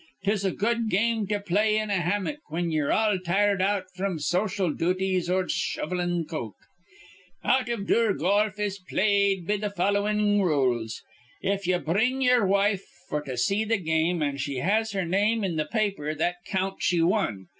'Tis a good game to play in a hammick whin ye're all tired out fr'm social duties or shovellin' coke. Out iv dure golf is played be th' followin' rules. If ye bring ye'er wife f'r to see th' game, an' she has her name in th' paper, that counts ye wan.